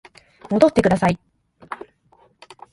戻ってください